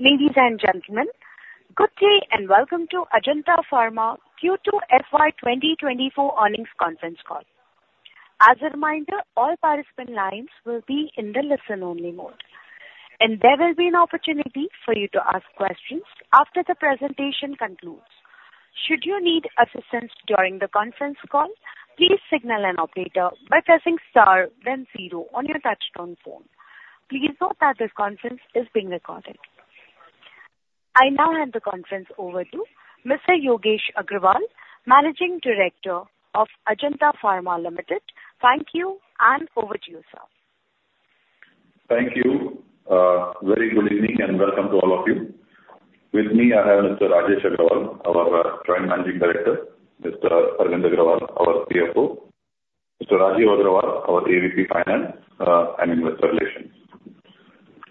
Ladies and gentlemen, good day, and welcome to Ajanta Pharma Q2 FY 2024 Earnings Conference Call. As a reminder, all participant lines will be in the listen-only mode, and there will be an opportunity for you to ask questions after the presentation concludes. Should you need assistance during the conference call, please signal an operator by pressing star then zero on your touchtone phone. Please note that this conference is being recorded. I now hand the conference over to Mr. Yogesh Agrawal, Managing Director of Ajanta Pharma Limited. Thank you, and over to you, sir. Thank you. Very good evening, and welcome to all of you. With me, I have Mr. Rajesh Agrawal, our Joint Managing Director; Mr. Arvind Agrawal, our CFO; Mr. Rajeev Agrawal, our AVP Finance and Investor Relations.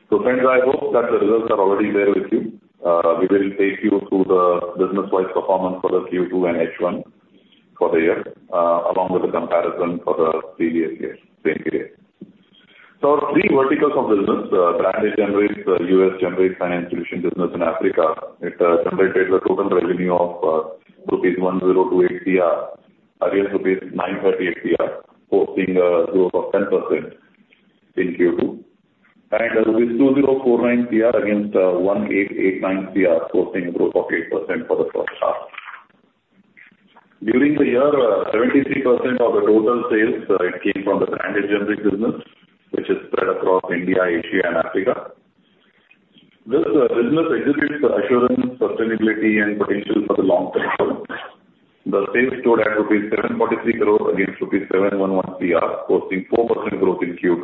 So friends, I hope that the results are already there with you. We will take you through the business-wise performance for the Q2 and H1 for the year, along with the comparison for the previous year, same period. So our three verticals of business, branded generics, U.S. generics, and institutional business in Africa generated a total revenue of rupees 1,028 crore against rupees 938 crore, posting a growth of 10% in Q2, and rupees 2,049 crore against 1,889 crore, posting a growth of 8% for the first half. During the year, 73% of the total sales it came from the branded generic business, which is spread across India, Asia and Africa. This business exhibits assurance, sustainability, and potential for the long term performance. The sales stood at rupees 743 crore against rupees 711 crore, posting 4% growth in Q2,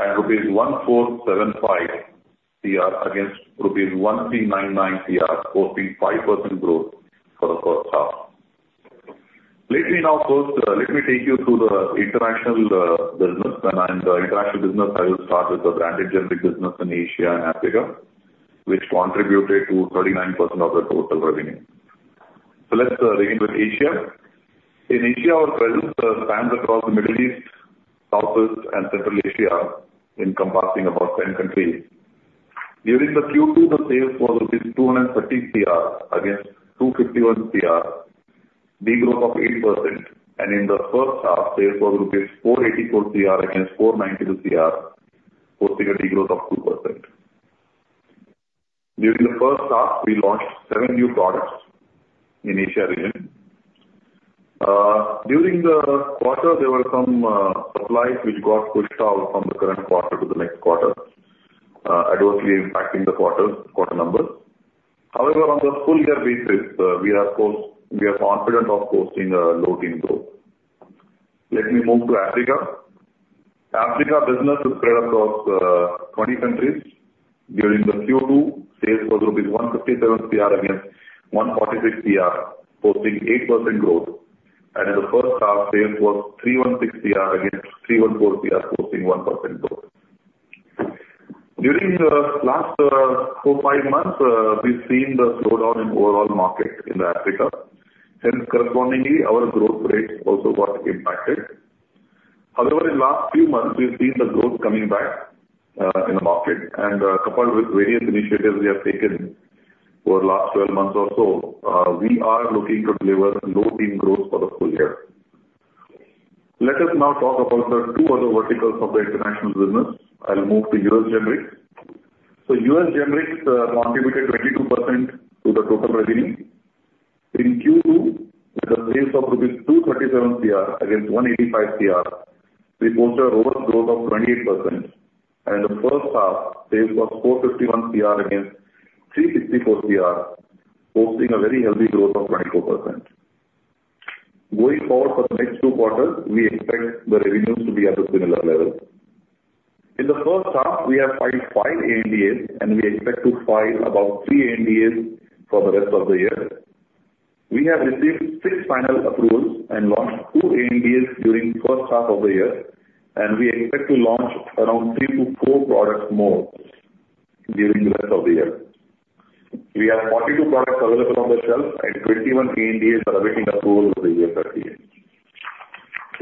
and rupees 1,475 crore against rupees 1,399 crore, posting 5% growth for the first half. Let me now first, let me take you through the international business. And in the international business, I will start with the branded generic business in Asia and Africa, which contributed to 39% of the total revenue. So let's begin with Asia. In Asia, our presence spans across the Middle East, Southeast and Central Asia, encompassing about 10 countries. During the Q2, sales were rupees 230 crore against 251 crore, de-growth of 8%. In the first half, sales were rupees 484 crore against 492 crore, posting a de-growth of 2%. During the first half, we launched seven new products in Asia region. During the quarter, there were some supplies which got pushed out from the current quarter to the next quarter, adversely impacting the quarter-over-quarter numbers. However, on the full year basis, we are confident of posting a low-teens growth. Let me move to Africa. Africa business is spread across 20 countries. During the Q2, sales were rupees 157 crore against 146 crore, posting 8% growth, and in the first half, sales were 316 crore against 314 crore, posting 1% growth. During the last four, five months, we've seen the slowdown in overall market in Africa. Hence, correspondingly, our growth rate also got impacted. However, in last few months, we've seen the growth coming back in the market, and coupled with various initiatives we have taken over last 12 months or so, we are looking to deliver low teen growth for the full year. Let us now talk about the two other verticals of the international business. I'll move to U.S. generics. So U.S. generics contributed 22% to the total revenue. In Q2, with the sales of rupees 237 crore against 185 crore, we posted a robust growth of 28%, and in the first half, sales was 451 crore against 364 crore, posting a very healthy growth of 24%. Going forward, for the next two quarters, we expect the revenues to be at a similar level. In the first half, we have filed five ANDAs, and we expect to file about three ANDAs for the rest of the year. We have received six final approvals and launched two ANDAs during first half of the year, and we expect to launch around three to four products more during the rest of the year. We have 42 products available on the shelf, and 21 ANDAs are awaiting approval with the U.S. FDA.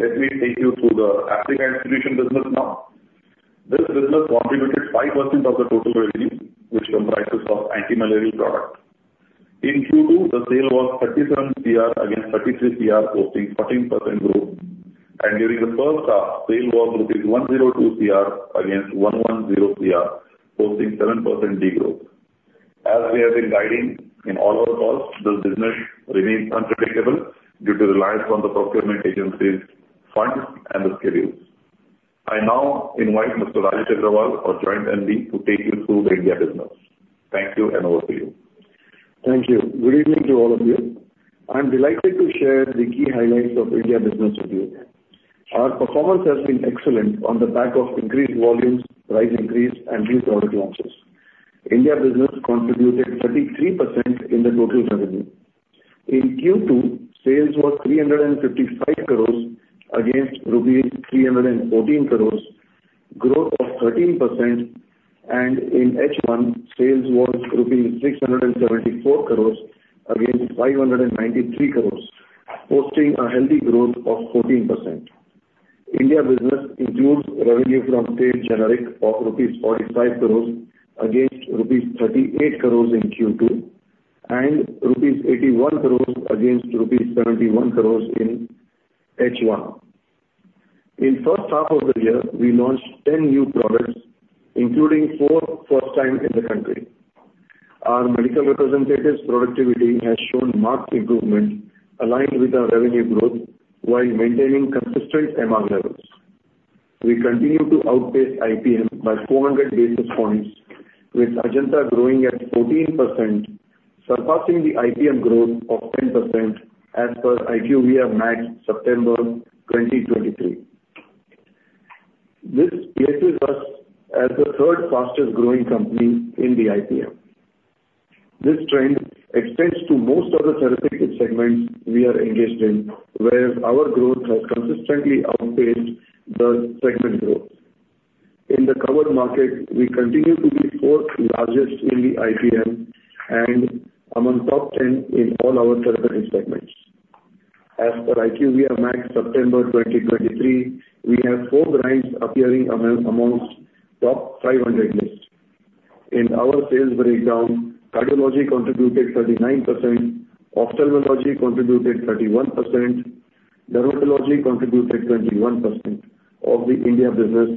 Let me take you through the Africa institution business now. This business contributed 5% of the total revenue, which comprises of anti-malarial product. In Q2, the sale was 37 crore against 33 crore, posting 14% growth. And during the first half, sale was 102 crore against 110 crore, posting 7% de-growth. As we have been guiding in all our calls, this business remains unpredictable due to reliance on the procurement agencies' funds and the schedules. I now invite Mr. Rajesh Agrawal, our Joint MD, to take you through the India business. Thank you, and over to you. Thank you. Good evening to all of you. I'm delighted to share the key highlights of India business with you. Our performance has been excellent on the back of increased volumes, price increase, and new product launches. India business contributed 33% in the total revenue. In Q2, sales was 355 crores against rupees 314 crores, growth of 13%. And in H1, sales was rupees 674 crores against 593 crores, posting a healthy growth of 14%. India business includes revenue from sales generic of 45 crores rupees against 38 crores rupees in Q2, and 81 crores rupees against 71 crores rupees in H1. In first half of the year, we launched 10 new products, including four first time in the country. Our medical representatives' productivity has shown marked improvement aligned with our revenue growth, while maintaining consistent MR levels. We continue to outpace IPM by 400 basis points, with Ajanta growing at 14%, surpassing the IPM growth of 10% as per IQVIA MAT, September 2023. This places us as the third fastest growing company in the IPM. This trend extends to most of the therapeutic segments we are engaged in, whereas our growth has consistently outpaced the segment growth. In the covered market, we continue to be fourth largest in the IPM and among top 10 in all our therapeutic segments. As per IQVIA MAT, September 2023, we have four brands appearing among, amongst top 500 list. In our sales breakdown, cardiology contributed 39%, ophthalmology contributed 31%, dermatology contributed 21% of the India business,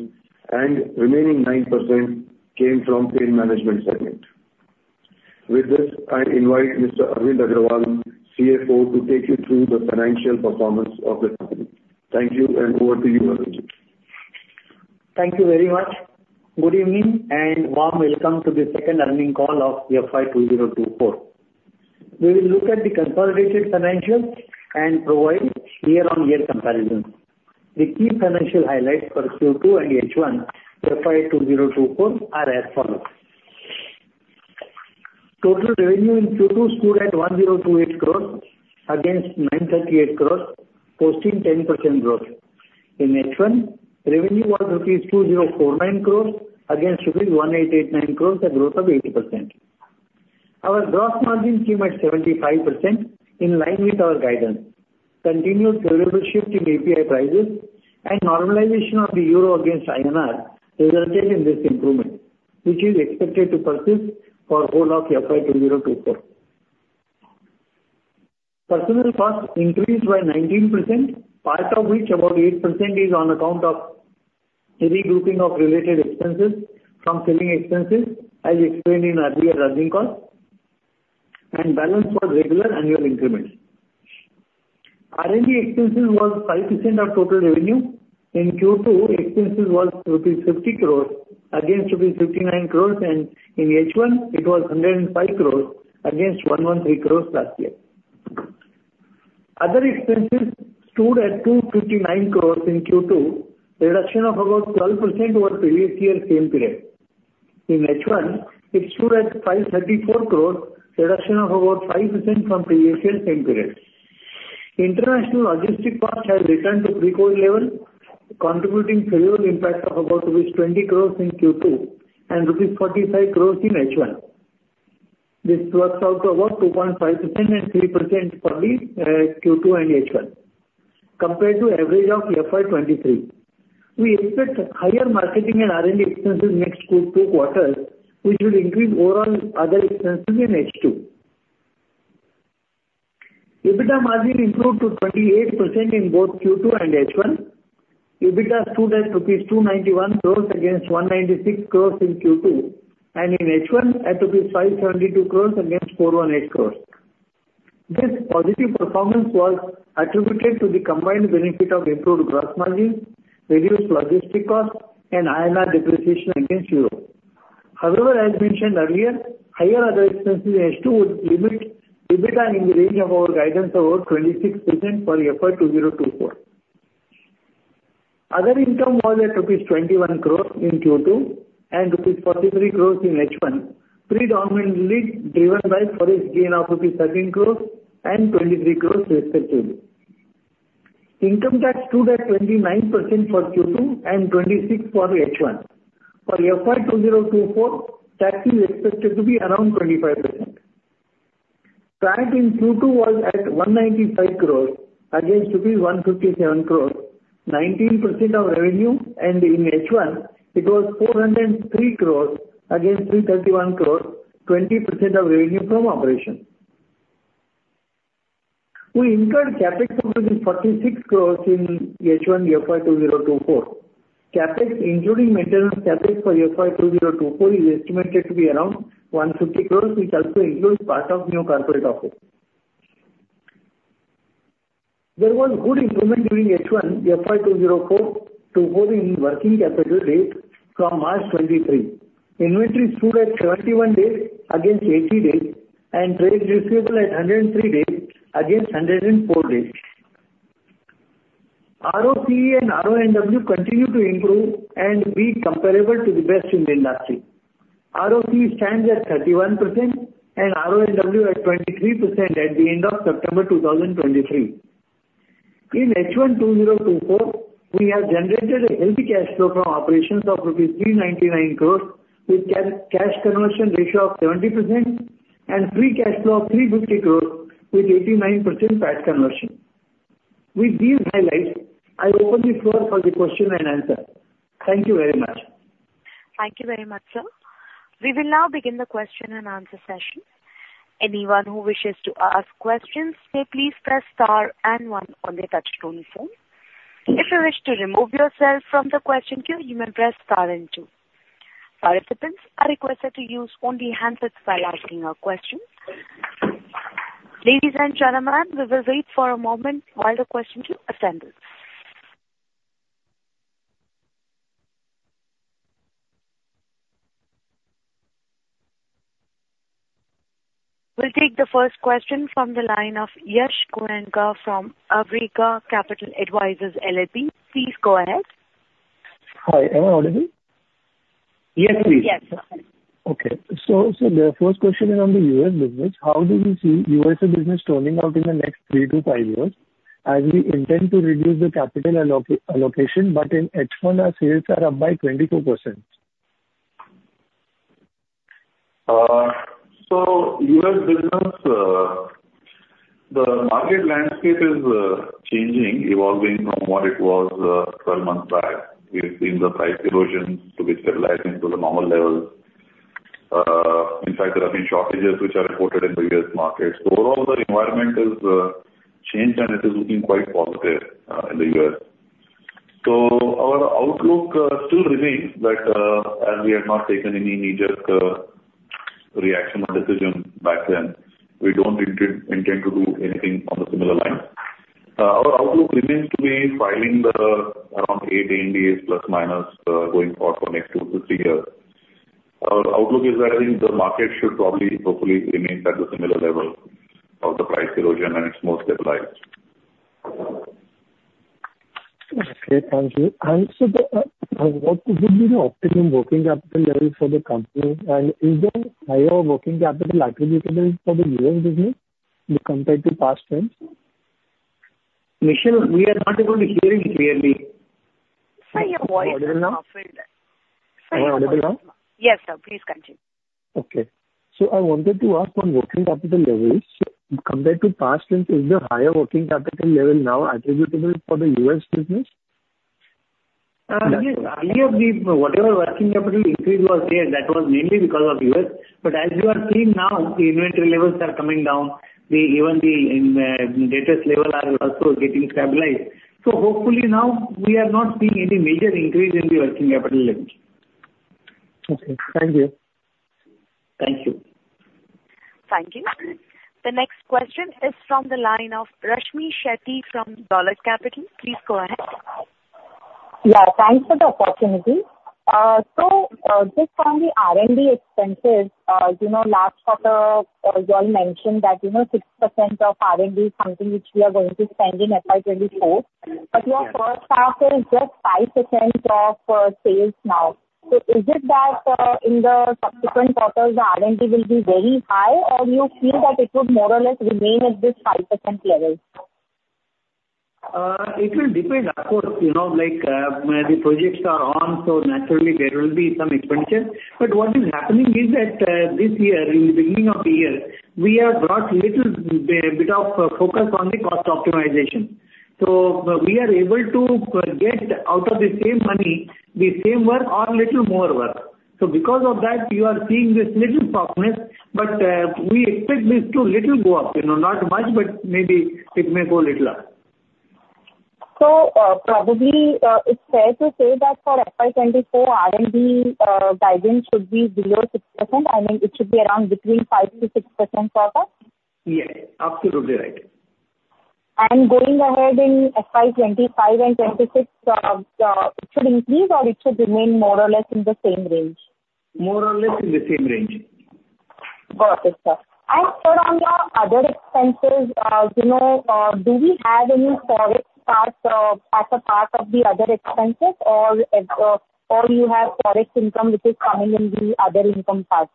and remaining 9% came from pain management segment. With this, I invite Mr. Arvind Agrawal, CFO, to take you through the financial performance of the company. Thank you, and over to you, Arvind. Thank you very much. Good evening, and warm welcome to the second earnings call of FY 2024. We will look at the consolidated financials and provide year-on-year comparison. The key financial highlights for Q2 and H1, FY 2024, are as follows: Total revenue in Q2 stood at 1,028 crores against 938 crores, posting 10% growth. In H1, revenue was rupees 2,049 crores against rupees 1,889 crores, a growth of 80%. Our gross margin came at 75%, in line with our guidance. Continuous favorable shift in API prices and normalization of the euro against INR resulted in this improvement, which is expected to persist for whole of FY 2024. Personnel costs increased by 19%, part of which about 8% is on account of the regrouping of related expenses from selling expenses, as explained in earlier earnings call, and balance for regular annual increments. R&D expenses was 5% of total revenue. In Q2, expenses was rupees 50 crores against rupees 59 crores, and in H1, it was 105 crores against 113 crores last year. Other expenses stood at 259 crores in Q2, reduction of about 12% over previous year same period. In H1, it stood at 534 crores, reduction of about 5% from previous year same period. International logistics costs have returned to pre-COVID level, contributing favorable impact of about rupees 20 crores in Q2 and rupees 45 crores in H1. This works out to about 2.5% and 3% for the Q2 and H1, compared to average of FY 2023. We expect higher marketing and R&D expenses next two quarters, which will increase overall other expenses in H2. EBITDA margin improved to 28% in both Q2 and H1. EBITDA stood at rupees 291 crores against 196 crores in Q2, and in H1, at rupees 572 crores against 418 crores. This positive performance was attributed to the combined benefit of improved gross margin, reduced logistics cost, and INR depreciation against the Euro. However, as mentioned earlier, higher other expenses in H2 would limit EBITDA in the range of our guidance of about 26% for FY 2024. Other income was at rupees 21 crore in Q2, and rupees 43 crore in H1, predominantly driven by FOREX gain of rupees 13 crore and 23 crore respectively. Income tax stood at 29% for Q2 and 26% for H1. For FY 2024, tax is expected to be around 25%. Profit in Q2 was at 195 crore against rupees 157 crore, 19% of revenue, and in H1, it was 403 crore against 331 crore, 20% of revenue from operations. We incurred CapEx of 46 crore in H1 FY 2024. CapEx, including maintenance CapEx for FY 2024, is estimated to be around 150 crore, which also includes part of new corporate office. There was good improvement during H1 FY 2024 to improve in working capital days from March 2023. Inventory stood at 71 days against 80 days, and trades receivable at 103 days against 104 days. ROCE and RONW continue to improve and be comparable to the best in the industry. ROCE stands at 31% and RONW at 23% at the end of September 2023. In H1 2024, we have generated a healthy cash flow from operations of rupees 399 crores, with cash conversion ratio of 70% and free cash flow 350 crores with 89% cash conversion. With these highlights, I open the floor for the question and answer. Thank you very much. Thank you very much, sir. We will now begin the question and answer session. Anyone who wishes to ask questions, may please press star and one on the touchtone phone. If you wish to remove yourself from the question queue, you may press star and two. Participants are requested to use only handsets while asking your questions. Ladies and gentlemen, we will wait for a moment while the questions queue assembles. We'll take the first question from the line of Yash Korenka from Awriga Capital Advisors LLP. Please go ahead. Hi, am I audible? Yes, please. Yes. Okay. So the first question is on the U.S. business. How do you see USA business turning out in the next three to five years, as we intend to reduce the capital allocation, but in H1 our sales are up by 22%? So U.S. business, the market landscape is changing, evolving from what it was 12 months back. We've seen the price erosion to be stabilized into the normal levels. In fact, there have been shortages which are reported in various markets. So overall, the environment is changed, and it is looking quite positive in the U.S. So our outlook still remains that, as we have not taken any major reaction or decision back then, we don't intend to do anything on the similar lines. Our outlook remains to be filing around eight ANDAs ± going forward for next two to three years. Our outlook is that I think the market should probably hopefully remain at the similar level of the price erosion, and it's more stabilized. Okay, thank you. And so what would be the optimum working capital level for the company? And is there higher working capital attributable for the U.S. business compared to past trends? Michelle, we are not able to hear you clearly. Sir, your voice is not clear. Am I audible now? Yes, sir. Please continue. Okay. I wanted to ask on working capital levels, compared to past trends, is there higher working capital level now attributable for the U.S. business? Yes, earlier, the whatever working capital increase was there, that was mainly because of U.S. But as you are seeing now, the inventory levels are coming down. Even the debtors level are also getting stabilized. So hopefully now we are not seeing any major increase in the working capital levels. Okay, thank you. Thank you. Thank you. The next question is from the line of Rashmi Shetty from Dolat Capital. Please go ahead. Yeah, thanks for the opportunity. So, just on the R&D expenses, you know, last quarter, you all mentioned that, you know, 6% of R&D is something which we are going to spend in FY 2024. Yes. But your first half is just 5% of sales now. So is it that in the subsequent quarters, the R&D will be very high, or you feel that it would more or less remain at this 5% level? It will depend. Of course, you know, like, when the projects are on, so naturally there will be some expenditure. But what is happening is that, this year, in the beginning of the year, we have brought little bit of focus on the cost optimization. So we are able to get out of the same money, the same work or little more work. So because of that, you are seeing this little toughness, but we expect this to little go up, you know, not much, but maybe it may go little up. So, probably, it's fair to say that for FY 2024, R&D guidance should be below 6%. I mean, it should be around between 5%-6% for us? Yes, absolutely right. Going ahead in FY 2025 and 2026, it should increase or it should remain more or less in the same range? More or less in the same range. Got it, sir. And so on your other expenses, you know, do we have any forex cost as a part of the other expenses or, or you have forex income which is coming in the other income part?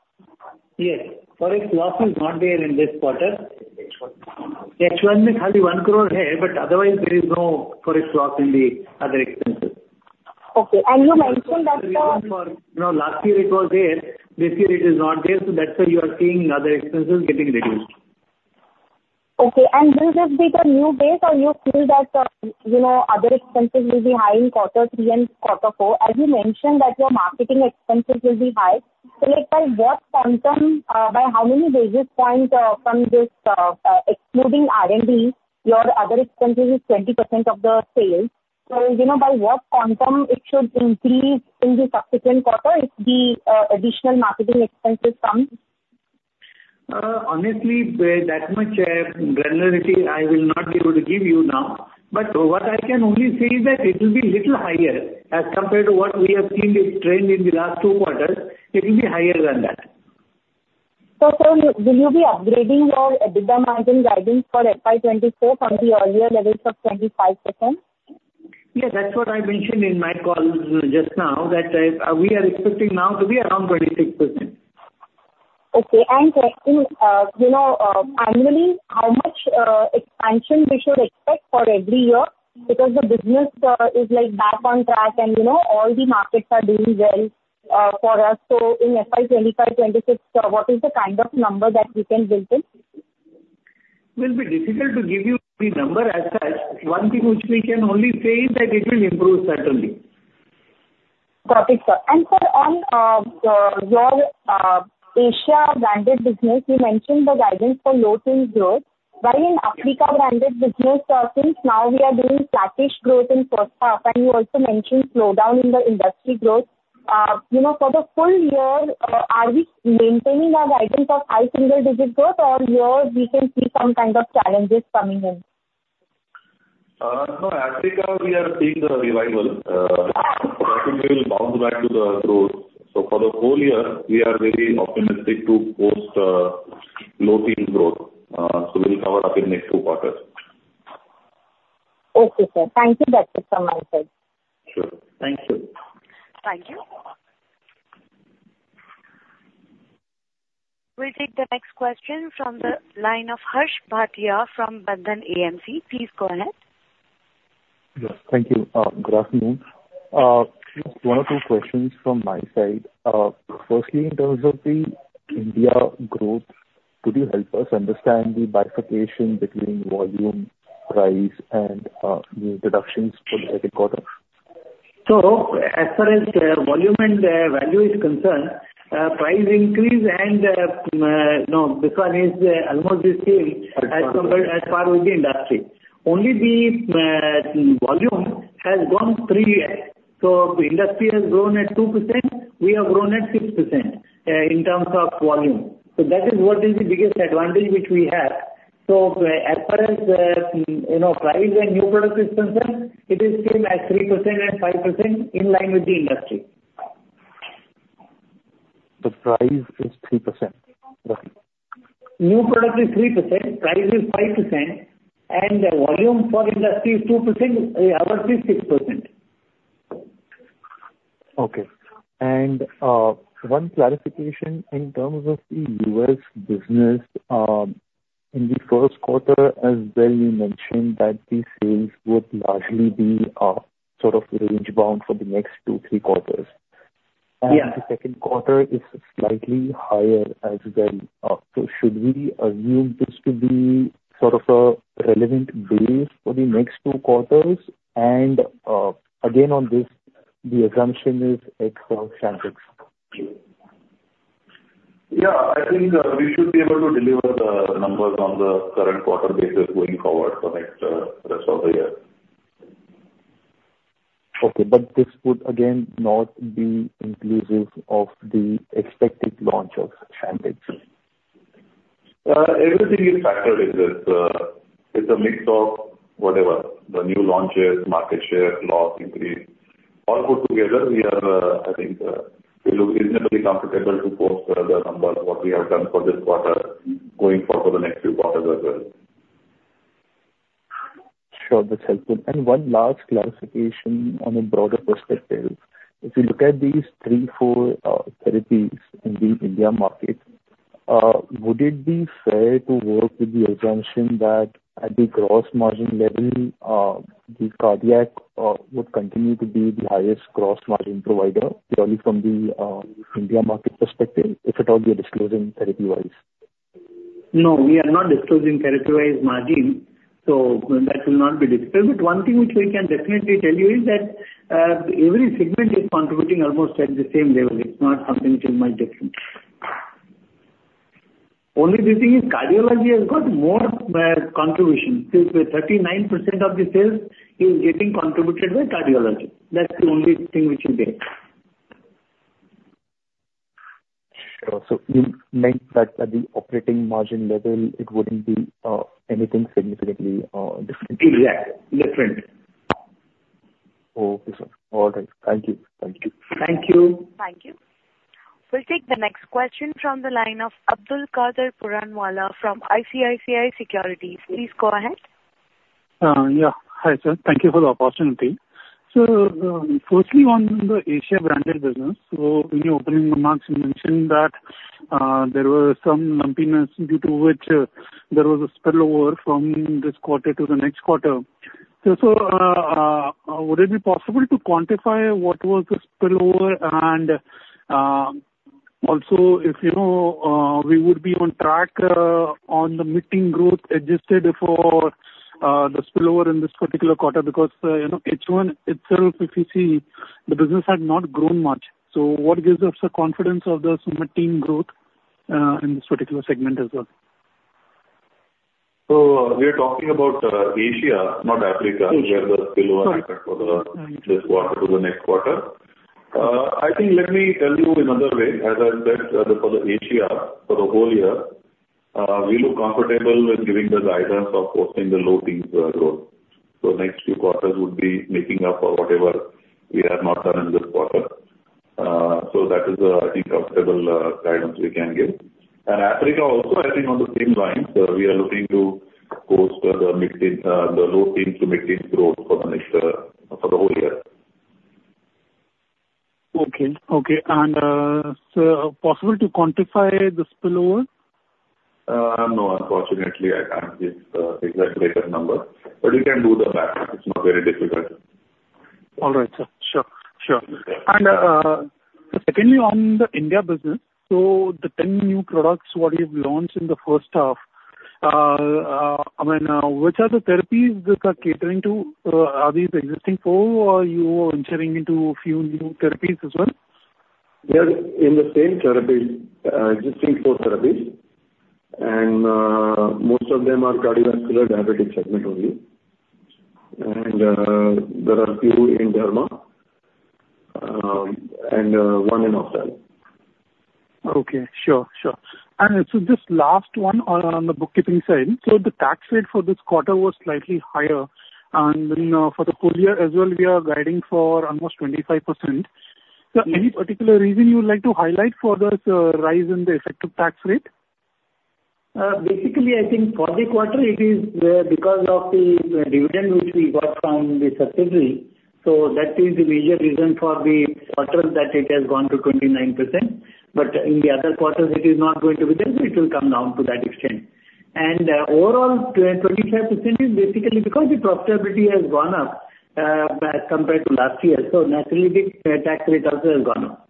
Yes. FOREX loss is not there in this quarter. H1 only INR 1 crore, but otherwise there is no FOREX loss in the other expenses. Okay. You mentioned that, You know, last year it was there, this year it is not there, so that's why you are seeing other expenses getting reduced. Okay. And will this be the new base, or you feel that, you know, other expenses will be high in quarter three and quarter four? As you mentioned, that your marketing expenses will be high. So like, by what quantum, by how many basis points, from this, excluding R&D, your other expenses is 20% of the sales. So, you know, by what quantum it should increase in the subsequent quarter if the additional marketing expenses come? Honestly, that much granularity I will not be able to give you now. But what I can only say is that it will be little higher as compared to what we have seen this trend in the last two quarters. It will be higher than that. So, will you be upgrading your EBITDA margin guidance for FY 2024 from the earlier levels of 25%? Yes, that's what I mentioned in my call just now, that, we are expecting now to be around 26%. Okay. And, you know, annually, how much expansion we should expect for every year, because the business is like back on track and, you know, all the markets are doing well, for us. So in FY 2025, 2026, what is the kind of number that we can build in? Will be difficult to give you the number as such. One thing which we can only say is that it will improve, certainly. Got it, sir. And sir, on your Asia branded business, you mentioned the guidance for low teen growth. Why in Africa branded business, since now we are doing flattish growth in first half, and you also mentioned slowdown in the industry growth. You know, for the full year, are we maintaining our guidance of high single digit growth, or here we can see some kind of challenges coming in? No, Africa, we are seeing the revival. I think we will bounce back to the growth. So for the whole year, we are very optimistic to post low teen growth. So we'll cover up in next two quarters. Okay, sir. Thank you. That's it from my side. Sure. Thank you. Thank you. We'll take the next question from the line of Harsh Bhatia from Bandhan AMC. Please go ahead. Yes, thank you. Good afternoon. One or two questions from my side. Firstly, in terms of the India growth, could you help us understand the bifurcation between volume, price, and new introductions for the second quarter? So as far as volume and value is concerned, price increase and, you know, this one is almost the same. Correct. As compared, as far with the industry. Only the volume has grown three years. So the industry has grown at 2%, we have grown at 6% in terms of volume. So that is what is the biggest advantage which we have. So, as far as, you know, price and new product is concerned, it is same as 3% and 5%, in line with the industry. The price is 3%? Okay. New product is 3%, price is 5%, and the volume for industry is 2%, ours is 6%. Okay. And, one clarification in terms of the U.S. business. In the first quarter as well, you mentioned that the sales would largely be, sort of range bound for the next two, three quarters. Yeah. The second quarter is slightly higher as well. So should we assume this to be sort of a relevant base for the next two quarters? Again, on this, the assumption is Chantix. Yeah, I think, we should be able to deliver the numbers on the current quarter basis going forward for next, rest of the year. Okay. But this would again not be inclusive of the expected launch of Chantix? Everything is factored in this. It's a mix of whatever, the new launches, market share, loss, increase. All put together, we are, I think, we look reasonably comfortable to post the, the numbers what we have done for this quarter, going forward for the next few quarters as well. Sure. That's helpful. And one last clarification on a broader perspective. If you look at these three, four, therapies in the India market, would it be fair to work with the assumption that at the gross margin level, the cardiac, would continue to be the highest gross margin provider, purely from the, India market perspective, if at all we are disclosing therapy-wise? No, we are not disclosing therapy-wise margin, so that will not be disclosed. But one thing which we can definitely tell you is that, every segment is contributing almost at the same level. It's not something which is much different. Only the thing is, cardiology has got more, contribution. So the 39% of the sales is getting contributed by cardiology. That's the only thing which will be there. Sure. So you mean that at the operating margin level, it wouldn't be anything significantly different? Exactly. Different. Okay, sir. All right. Thank you. Thank you. Thank you. Thank you. We'll take the next question from the line of Abdul Kader Puranwala from ICICI Securities. Please go ahead. Yeah. Hi, sir. Thank you for the opportunity. So, firstly, on the Asia branded business, so in your opening remarks, you mentioned that there were some lumpiness, due to which there was a spillover from this quarter to the next quarter. So, would it be possible to quantify what was the spillover? And, also, if you know, we would be on track on the mid-teen growth, adjusted for the spillover in this particular quarter, because you know, H1 itself, if you see, the business had not grown much. So what gives us the confidence of the mid-teen growth in this particular segment as well? So we are talking about Asia, not Africa- Mm-hmm. Where the spillover effect for the. Right. This quarter to the next quarter. I think let me tell you in another way. As I said, for the Asia, for the whole year, we look comfortable with giving the guidance of posting the low teens, growth. So next few quarters would be making up for whatever we have not done in this quarter. So that is, I think, comfortable, guidance we can give. And Africa also, I think on the same lines, we are looking to post the mid-teen, the low teens to mid-teen growth for the next, for the whole year. Okay, okay. And, so possible to quantify this spillover? No, unfortunately, I can't give exact data number, but you can do the math. It's not very difficult. All right, sir. Sure, sure. Yeah. Secondly, on the India business, so the 10 new products what you've launched in the first half, I mean, which are the therapies that are catering to, are these existing four, or you are entering into a few new therapies as well? They are in the same therapy, existing four therapies. Most of them are cardiovascular diabetic segment only. There are a few in derma, and one in ophthalm. Okay, sure, sure. And so this last one on the bookkeeping side, so the tax rate for this quarter was slightly higher, and then, for the full year as well, we are guiding for almost 25%. So any particular reason you would like to highlight for this rise in the effective tax rate? Basically, I think for the quarter it is, because of the, dividend which we got from the subsidiary, so that is the major reason for the quarter that it has gone to 29%. But in the other quarters it is not going to be there, so it will come down to that extent. And, overall, 25% is basically because the profitability has gone up, by compared to last year, so naturally the, tax rate also has gone up.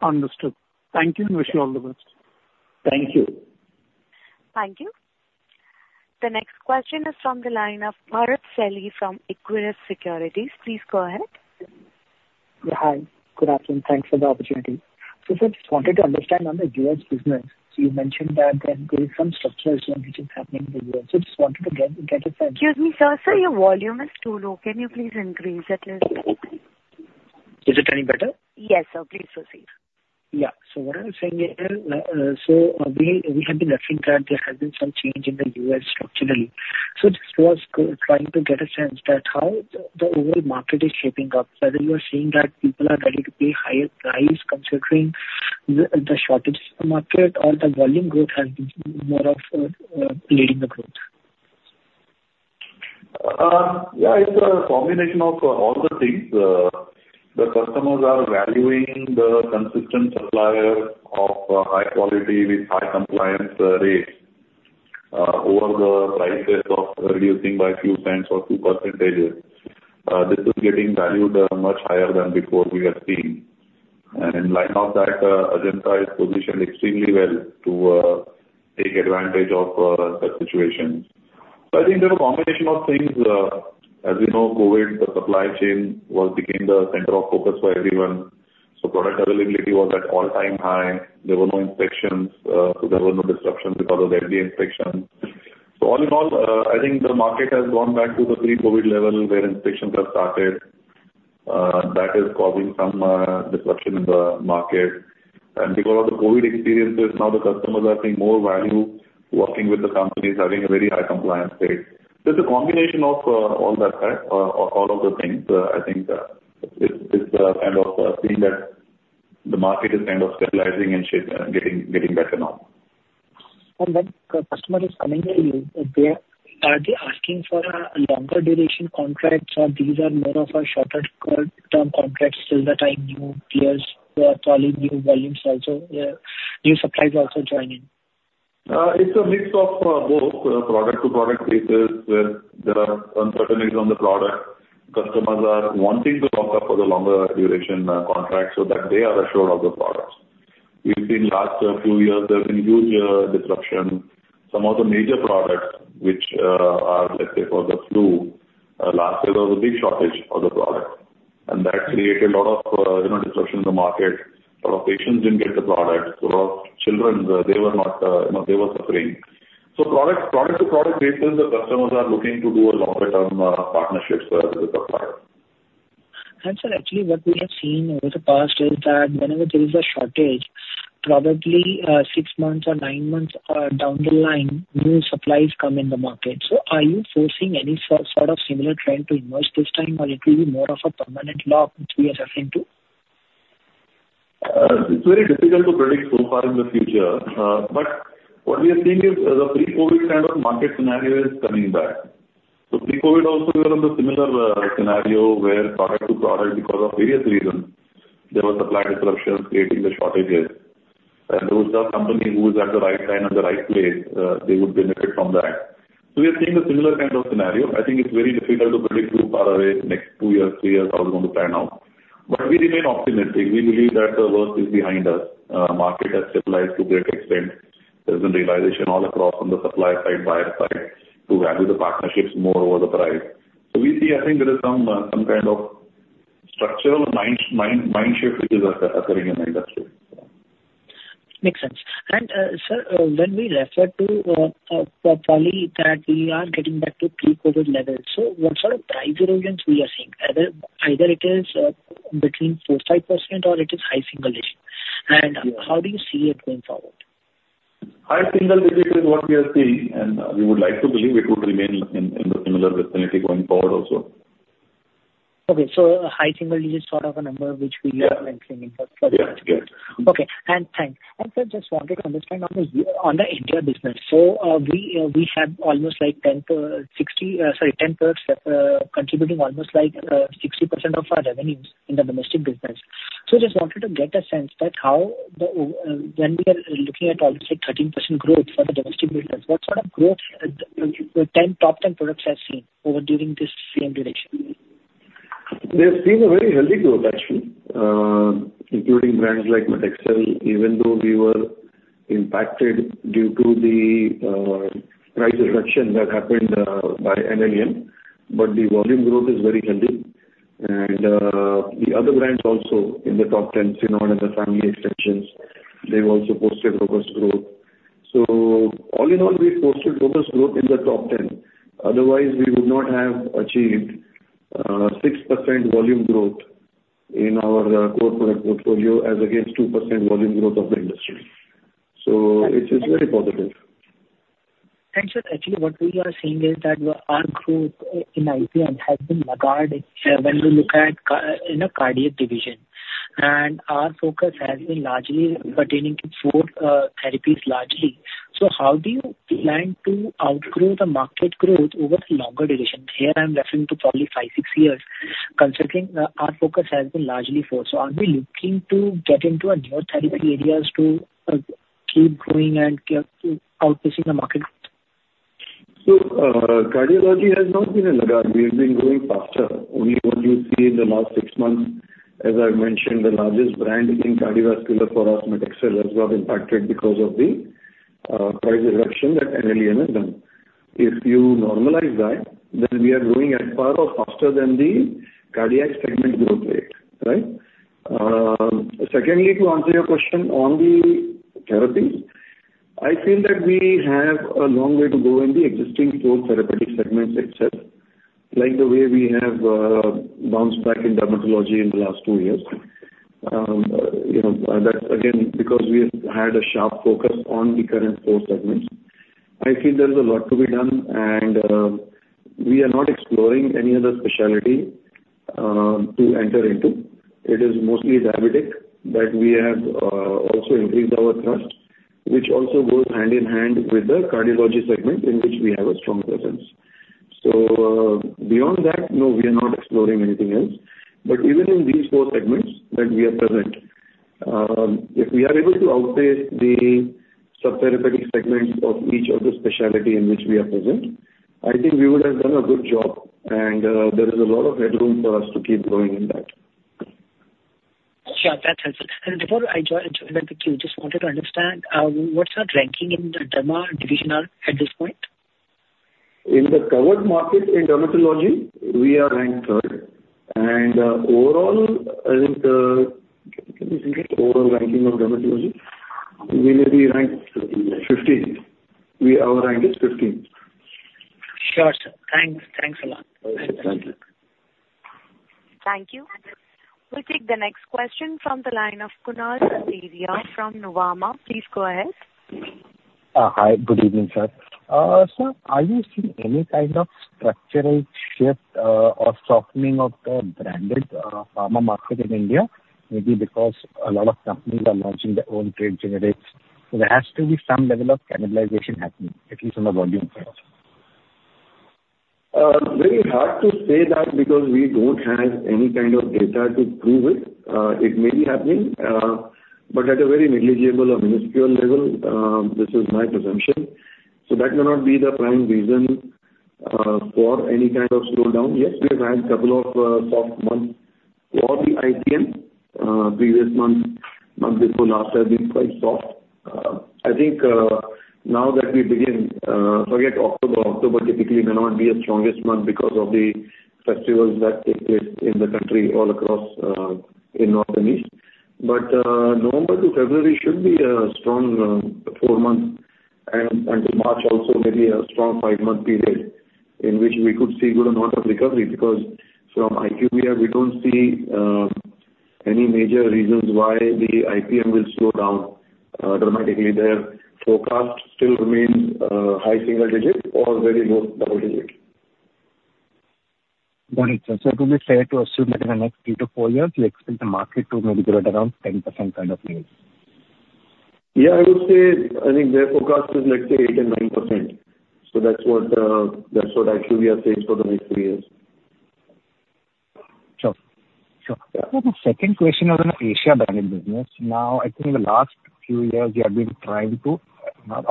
Understood. Thank you, and wish you all the best. Thank you. Thank you. The next question is from the line of Bharat Celly from Equirus Securities. Please go ahead. Hi. Good afternoon, thanks for the opportunity. So sir, just wanted to understand on the US business, so you mentioned that there is some structural change which is happening in the US, so just wanted to get a sense- Excuse me, sir. Sir, your volume is too low. Can you please increase it a little? Is it any better? Yes, sir. Please proceed. Yeah. So what I was saying here, so we have been referring that there has been some change in the U.S. structurally. So just was trying to get a sense that how the overall market is shaping up, whether you are seeing that people are ready to pay higher price considering the shortage in the market or the volume growth has been more of leading the growth. Yeah, it's a combination of all the things. The customers are valuing the consistent supplier of high quality with high compliance rate over the prices of reducing by a few cents or few percentages. This is getting valued much higher than before, we are seeing. And in line of that, Ajanta is positioned extremely well to take advantage of such situations. So I think there's a combination of things. As you know, COVID, the supply chain was became the center of focus for everyone, so product availability was at all-time high. There were no inspections, so there were no disruptions because of the inspections. So all in all, I think the market has gone back to the pre-COVID level, where inspections have started. That is causing some disruption in the market. Because of the COVID experiences, now the customers are seeing more value working with the companies, having a very high compliance rate. It's a combination of all that, all of the things. I think this kind of thing that the market is kind of stabilizing and shape getting better now. When the customer is coming to you, are they asking for a longer duration contracts, or these are more of a shorter term contracts, till the time new players who are calling new volumes also, new supplies also join in? It's a mix of both. Product to product basis, where there are uncertainties on the product, customers are wanting to lock up for the longer duration, contract so that they are assured of the products. We've seen last few years there's been huge disruption. Some of the major products which are, let's say, for the flu, last year there was a big shortage of the product, and that created a lot of, you know, disruption in the market. A lot of patients didn't get the product. So children, they were not, you know, they were suffering. So product to product basis, the customers are looking to do a longer-term partnerships with the supplier. And sir, actually, what we have seen over the past is that whenever there is a shortage, probably, six months or nine months, down the line, new supplies come in the market. So are you foresee any sort of similar trend to emerge this time, or it will be more of a permanent lock which we are referring to? It's very difficult to predict so far in the future. But what we are seeing is, the pre-COVID kind of market scenario is coming back. So pre-COVID also, we are on the similar, scenario where product to product, because of various reasons, there were supply disruptions creating the shortages. And those are company who is at the right time and the right place, they would benefit from that. So we are seeing a similar kind of scenario. I think it's very difficult to predict too far away, next two years, three years, how we're going to pan out. But we remain optimistic. We believe that the worst is behind us. Market has stabilized to a great extent. There's been realization all across on the supply side, buyer side, to value the partnerships more over the price. We see, I think there is some kind of structural mind shift which is occurring in the industry. Makes sense. And, sir, when we refer to probably that we are getting back to pre-COVID levels, so what sort of price erosion we are seeing? Either it is between 4%-5%, or it is high single digit. And how do you see it going forward? High single digit is what we are seeing, and we would like to believe it would remain in the similar vicinity going forward also. Okay, so high single digit is sort of a number which we are- Yeah. - entering in for. Yeah, yeah. Okay. And thanks. And sir, just wanted to understand on the, on the India business, so, we have almost like 10 to 60, sorry, top 10, contributing almost like, 60% of our revenues in the domestic business. So just wanted to get a sense that how the, when we are looking at almost like 13% growth for the domestic business, what sort of growth, the, the top 10 products have seen over during this same duration? There's been a very healthy growth, actually, including brands like Met XL, even though we were impacted due to the price reduction that happened by NPPA. But the volume growth is very healthy, and the other brands also in the top ten, known as the family extensions, they've also posted robust growth. So all in all, we've posted robust growth in the top ten. Otherwise, we would not have achieved 6% volume growth in our core product portfolio as against two percent volume growth of the industry. So it is very positive. Sir, actually, what we are seeing is that our growth in IPM has been laggard when we look at in a cardiac division, and our focus has been largely pertaining to four therapies largely. So how do you plan to outgrow the market growth over the longer duration? Here I'm referring to probably five, six years. Considering our focus has been largely four, so are we looking to get into other therapy areas to keep growing and keep outpacing the market? So, cardiology has not been a laggard. We've been growing faster. Only what you see in the last six months, as I mentioned, the largest brand in cardiovascular for us, Metexcel, has got impacted because of the price reduction that NPPA has done. If you normalize that, then we are growing as far or faster than the cardiac segment growth rate, right? Secondly, to answer your question on the therapies, I think that we have a long way to go in the existing four therapeutic segments itself. Like the way we have bounced back in dermatology in the last two years. You know, that's again, because we have had a sharp focus on the current four segments. I think there is a lot to be done, and we are not exploring any other specialty to enter into. It is mostly diabetic, but we have also increased our thrust, which also goes hand in hand with the cardiology segment, in which we have a strong presence. So beyond that, no, we are not exploring anything else. But even in these four segments that we are present, if we are able to outpace the sub-therapeutic segments of each of the specialty in which we are present, I think we would have done a good job, and there is a lot of headroom for us to keep growing in that. Sure, that helps. And before I join, join that queue, just wanted to understand, what's our ranking in the derma division are at this point? In the covered market, in dermatology, we are ranked third, and overall, I think, can you see the overall ranking of dermatology? We may be ranked 15. Our rank is 15. Sure, sir. Thanks. Thanks a lot. Thank you. Thank you. We'll take the next question from the line of Kunal Sharma from Nuvama. Please go ahead. Hi, good evening, sir. Sir, are you seeing any kind of structural shift or softening of the branded pharma market in India? Maybe because a lot of companies are launching their own trade generics, so there has to be some level of cannibalization happening, at least on the volume side. Very hard to say that, because we don't have any kind of data to prove it. It may be happening, but at a very negligible or minuscule level, this is my presumption. So that may not be the prime reason, for any kind of slowdown. Yes, we have had couple of soft months for the IPM. Previous month, month before last has been quite soft. I think, now that we begin, forget October, October typically may not be a strongest month because of the festivals that take place in the country all across, in North and East. But, November to February should be a strong four months, and March also maybe a strong five-month period, in which we could see good amount of recovery, because from IQVIA, we don't see any major reasons why the IPM will slow down dramatically. The forecast still remains high single digits or very low double digits. Got it, sir. So it would be fair to assume that in the next three to four years, you expect the market to maybe grow at around 10% kind of rate? Yeah, I would say, I think their forecast is let's say 8%-9%. So that's what, that's what IQVIA says for the next three years. Sure. Sure. The second question on the Asia branded business. Now, I think the last few years you have been trying to,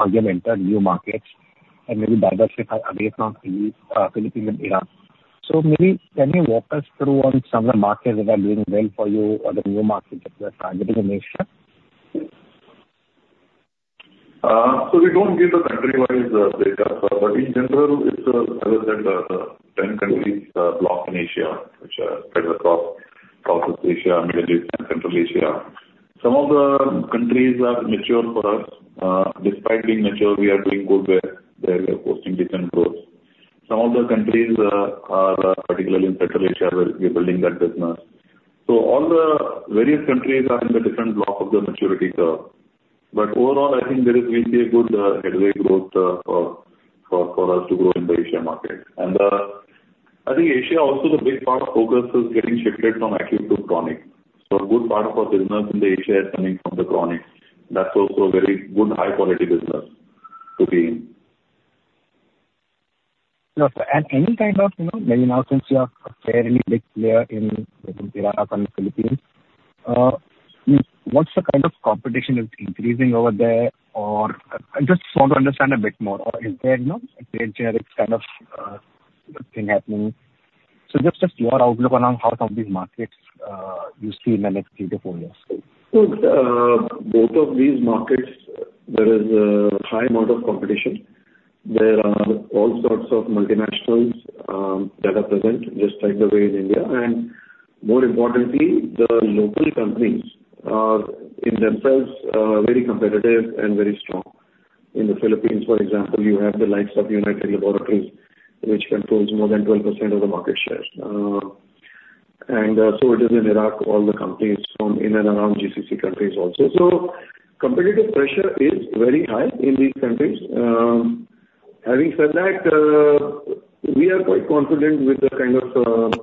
again, enter new markets and maybe diversify away from the Philippines and Iran. So maybe can you walk us through on some of the markets that are doing well for you or the new markets that you are targeting in Asia? So we don't give the country-wise data. But in general, it's, as I said, the 10 countries block in Asia, which are spread across Southeast Asia, Middle East and Central Asia. Some of the countries are mature for us. Despite being mature, we are doing good there. They are posting different growth. Some of the countries are particularly in Central Asia, where we're building that business. So all the various countries are in the different block of the maturity curve. But overall, I think there will be a good headway growth for us to grow in the Asia market. And I think Asia also the big part of focus is getting shifted from acute to chronic. So a good part of our business in the Asia is coming from the chronic. That's also a very good, high quality business to be in. No, sir, and any kind of, you know, maybe now, since you are a fairly big player in Iraq and the Philippines, what's the kind of competition is increasing over there? Or I just want to understand a bit more. Or is there, you know, a generic kind of, thing happening? So just, just your outlook on how some of these markets, you see in the next three to four years. So, both of these markets, there is a high amount of competition. There are all sorts of multinationals, that are present, just like the way in India, and more importantly, the local companies are, in themselves, very competitive and very strong. In the Philippines, for example, you have the likes of United Laboratories, which controls more than 12% of the market share. And so it is in Iraq, all the companies from in and around GCC countries also. So competitive pressure is very high in these countries. Having said that, we are quite confident with the kind of,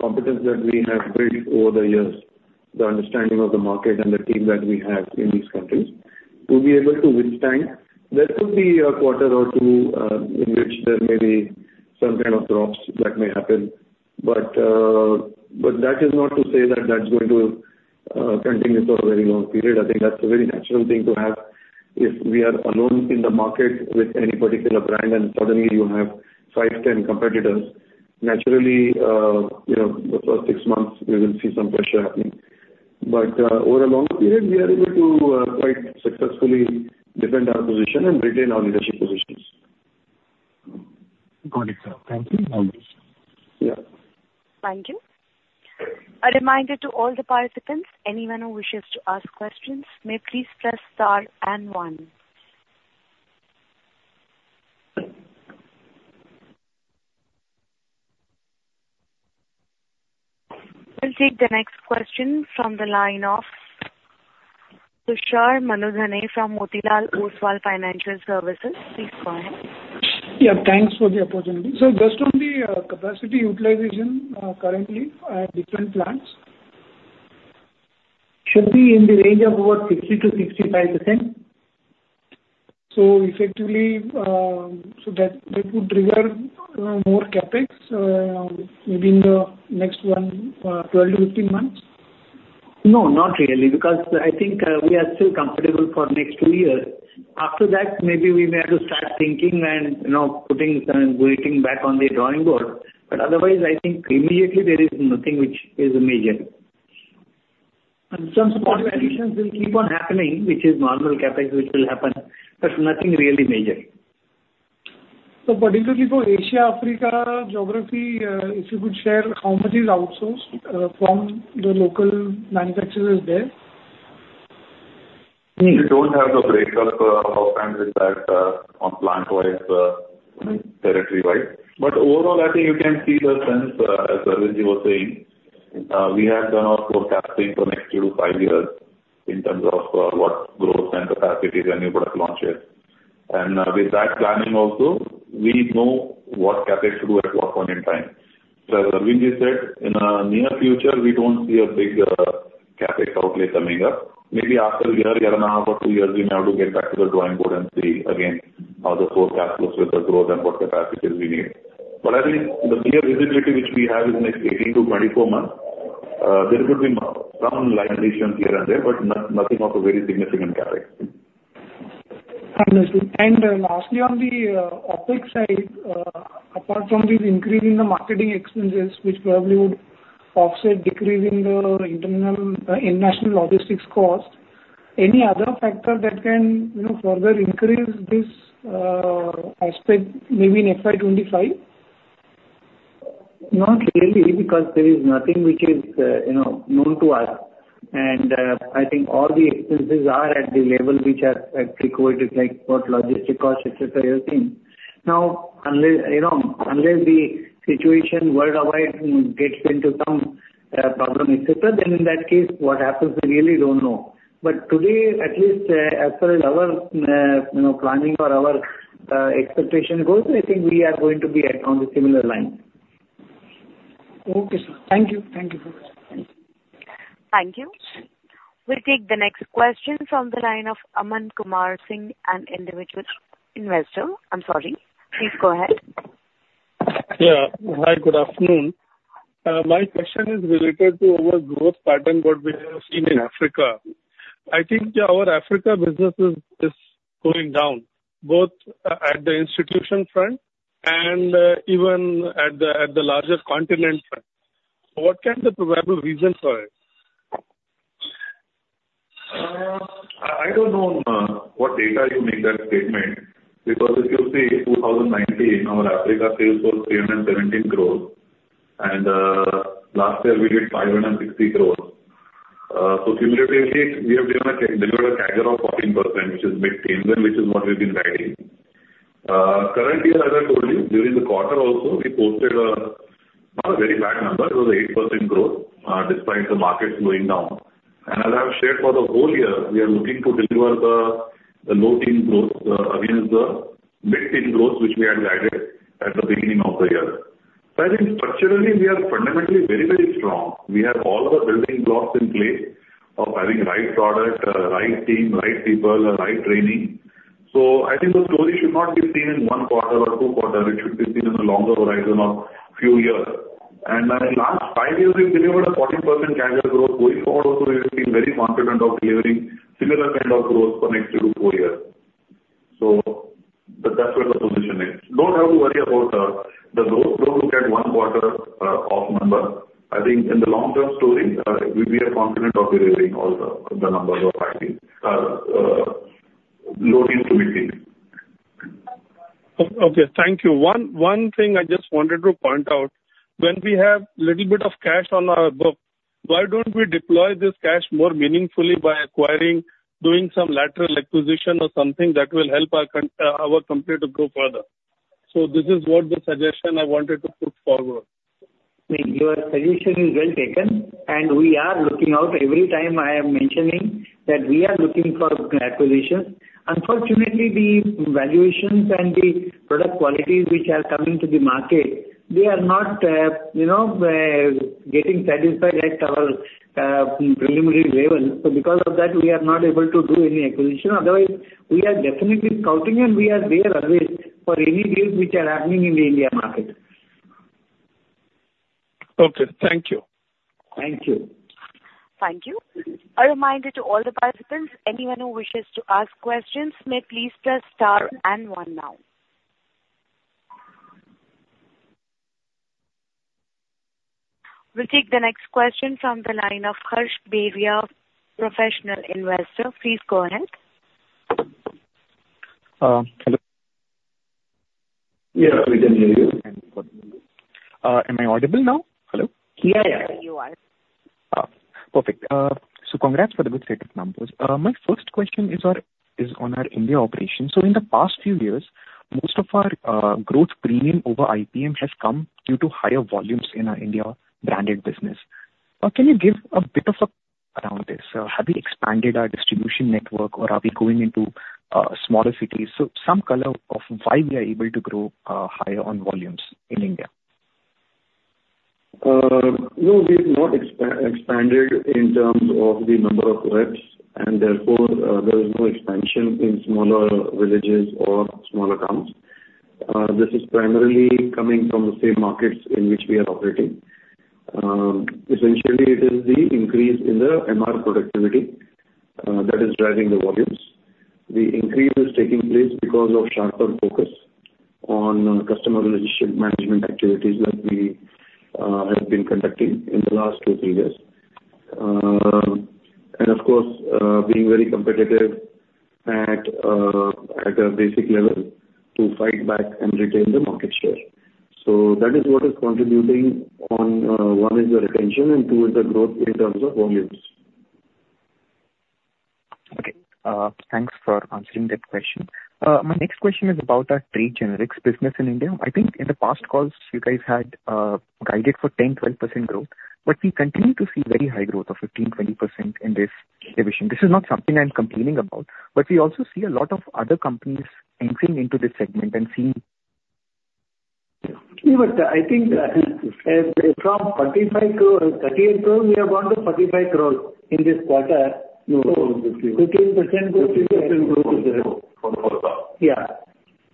competence that we have built over the years, the understanding of the market and the team that we have in these countries, to be able to withstand. There could be a quarter or two, in which there may be some kind of drops that may happen, but, but that is not to say that that's going to continue for a very long period. I think that's a very natural thing to have. If we are alone in the market with any particular brand and suddenly you have five, 10 competitors, naturally, you know, the first six months you will see some pressure happening. But, over a longer period, we are able to quite successfully defend our position and retain our leadership positions. Got it, sir. Thank you. Yeah. Thank you. A reminder to all the participants, anyone who wishes to ask questions may please press star and one. We'll take the next question from the line of Tushar Manudhane from Motilal Oswal Financial Services. Please go ahead. Yeah, thanks for the opportunity. So just on the capacity utilization currently at different plants. Should be in the range of over 60%-65%. So effectively, that would trigger more CapEx, maybe in the next 12-15 months? No, not really, because I think we are still comfortable for next two years. After that, maybe we may have to start thinking and, you know, putting some waiting back on the drawing board. But otherwise, I think immediately there is nothing which is major. Some small additions will keep on happening, which is normal CapEx, which will happen, but nothing really major. According to the Asia, Africa geography, if you could share, how much is outsourced from the local manufacturers there? We don't have the breakup of times with that on plant-wise territory-wise. But overall, I think you can see the sense as Arvind was saying we have done our forecasting for next two to five years in terms of what growth and capacities and new product launches. And with that planning also, we know what CapEx to do at what point in time. So as Arvind said, in the near future, we don't see a big CapEx outlay coming up. Maybe after a year, year and a half or two years, we may have to get back to the drawing board and see again how the forecast looks with the growth and what capacities we need. I think the near visibility which we have in the next 18-24 months, there could be some light additions here and there, but nothing of a very significant CapEx. Understood. Lastly, on the OpEx side, apart from this increase in the marketing expenses, which probably would offset decrease in the international logistics cost, any other factor that can, you know, further increase this aspect, maybe in FY 2025? Not really, because there is nothing which is, you know, known to us. And, I think all the expenses are at the level which are appropriate, like port, logistic costs, et cetera, everything. Now, unless, you know, unless the situation worldwide gets into some, problem, et cetera, then in that case, what happens, we really don't know. But today, at least, as far as our, you know, planning or our, expectation goes, I think we are going to be at on the similar line. Okay, sir. Thank you. Thank you. Thank you. We'll take the next question from the line of Aman Kumar Singh, an individual investor. I'm sorry. Please go ahead. Yeah. Hi, good afternoon. My question is related to our growth pattern, what we have seen in Africa. I think our Africa business is going down, both at the institution front and even at the larger continent front. What can be the probable reason for it? I don't know what data you make that statement, because if you see 2019, our Africa sales was 317 crore, and last year we did 560 crore. So cumulatively, we have delivered a CAGR of 14%, which is mid-teen, then which is what we've been guiding. Currently, as I told you, during the quarter also, we posted a not very bad number. It was 8% growth, despite the market going down. And as I have shared for the whole year, we are looking to deliver the low-teen growth, against the mid-teen growth, which we had guided at the beginning of the year. I think structurally, we are fundamentally very, very strong. We have all the building blocks in place of having right product, right team, right people, and right training. So I think the story should not be seen in one quarter or two quarter, it should be seen in a longer horizon of few years. And in the last five years, we've delivered a 14% annual growth. Going forward also, we're feeling very confident of delivering similar kind of growth for next two to four years. So that, that's where the position is. Don't have to worry about the, the low. Don't look at one quarter of number. I think in the long-term story, we are confident of delivering all the, the numbers we are finding. Low teens to mid-teens. Okay, thank you. One thing I just wanted to point out, when we have little bit of cash on our book, why don't we deploy this cash more meaningfully by acquiring, doing some lateral acquisition or something that will help our company to grow further? So this is what the suggestion I wanted to put forward. Your suggestion is well taken, and we are looking out. Every time I am mentioning that we are looking for acquisitions. Unfortunately, the valuations and the product qualities which are coming to the market, they are not, you know, getting satisfied at our preliminary level. So because of that, we are not able to do any acquisition. Otherwise, we are definitely scouting, and we are there always for any deals which are happening in the India market. Okay, thank you. Thank you. Thank you. A reminder to all the participants, anyone who wishes to ask questions may please press star and one now. We'll take the next question from the line of Harsh Bhatia, professional investor. Please go ahead. Uh, hello. Yeah, we can hear you. Am I audible now? Hello. Yeah, yeah, you are. Perfect. So congrats for the good set of numbers. My first question is on our India operations. So in the past few years, most of our growth premium over IPM has come due to higher volumes in our India branded business. Can you give a bit of a around this? Have we expanded our distribution network, or are we going into smaller cities? So some color of why we are able to grow higher on volumes in India. No, we've not expanded in terms of the number of reps, and therefore, there is no expansion in smaller villages or smaller towns. This is primarily coming from the same markets in which we are operating. Essentially, it is the increase in the MR productivity that is driving the volumes. The increase is taking place because of sharper focus on customer relationship management activities that we have been conducting in the last two, three years. And of course, being very competitive at a basic level to fight back and retain the market share. So that is what is contributing on, one is the retention and two is the growth in terms of volumes. Okay, thanks for answering that question. My next question is about our trade generics business in India. I think in the past calls, you guys had guided for 10%-12% growth, but we continue to see very high growth of 15%-20% in this division. This is not something I'm complaining about, but we also see a lot of other companies entering into this segment and seeing- Yeah, but I think from 35 crore, 13 crore, we have gone to 45 crores in this quarter. 15% growth. 15% growth is there. For quarter. Yeah.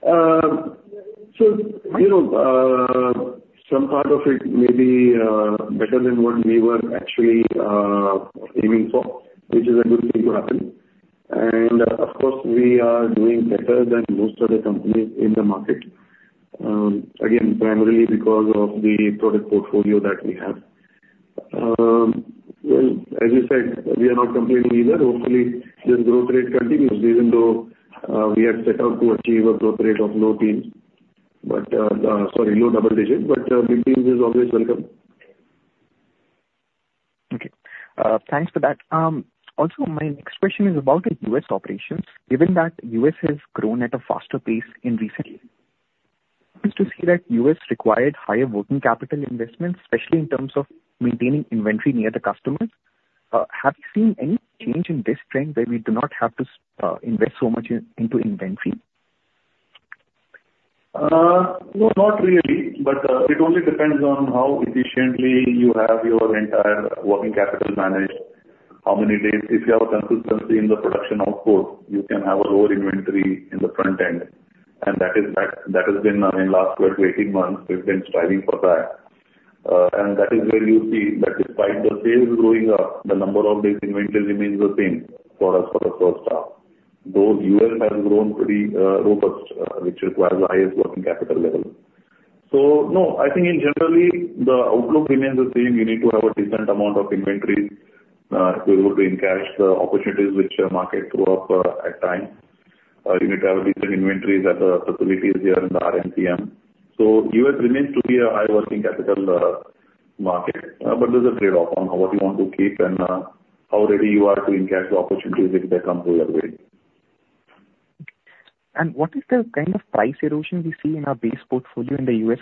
So, you know, some part of it may be better than what we were actually aiming for, which is a good thing to happen. And of course, we are doing better than most of the companies in the market. Again, primarily because of the product portfolio that we have. Well, as you said, we are not complaining either. Hopefully, this growth rate continues, even though we had set out to achieve a growth rate of low teens, but sorry, low double digits, but mid-teens is always welcome. Okay, thanks for that. Also, my next question is about the U.S. operations. Given that the U.S. has grown at a faster pace in recent years, to see that the U.S. required higher working capital investments, especially in terms of maintaining inventory near the customers. Have you seen any change in this trend, where we do not have to invest so much into inventory? No, not really. But, it only depends on how efficiently you have your entire working capital managed, how many days. If you have a consistency in the production, output, you can have a lower inventory in the front end, and that is, that, that has been, in last 12-18 months, we've been striving for that. And that is where you see that despite the sales going up, the number of days inventory remains the same for us for the first half. Though U.S. has grown pretty, robust, which requires the highest working capital level. So no, I think in generally, the outlook remains the same. You need to have a decent amount of inventory, if you want to encash the opportunities which market throw up, at times. You need to have a decent inventory that the facilities here in the RM/PM. So U.S. remains to be a high working capital market, but there's a trade-off on what you want to keep and how ready you are to encash the opportunities if they come your way. What is the kind of price erosion we see in our base portfolio in the U.S.,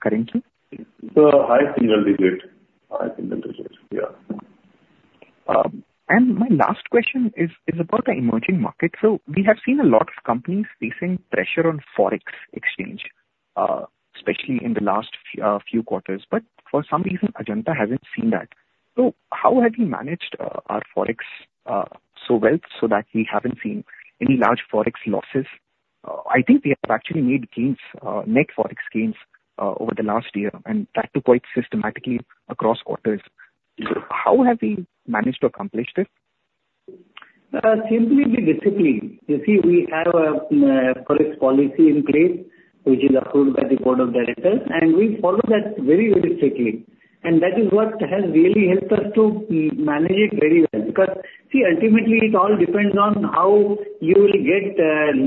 currently? It's a high single digit. High single digit, yeah. And my last question is, is about the emerging market. So we have seen a lot of companies facing pressure on FOREX exchange, especially in the last few, few quarters. But for some reason, Ajanta hasn't seen that. So how have you managed, our FOREX, so well, so that we haven't seen any large FOREX losses? I think we have actually made gains, net FOREX gains, over the last year, and that too, quite systematically across quarters. How have we managed to accomplish this? Simply be disciplined. You see, we have a FOREX policy in place, which is approved by the board of directors, and we follow that very, very strictly. And that is what has really helped us to manage it very well. Because, see, ultimately, it all depends on how you will get